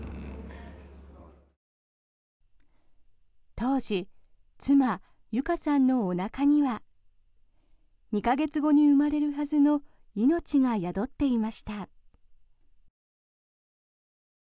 当時妻・有花さんのおなかには２か月後に生まれるはずの命が宿っていました。